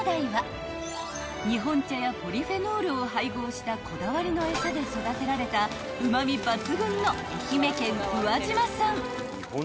［日本茶やポリフェノールを配合したこだわりの餌で育てられたうま味抜群の愛媛県宇和島産］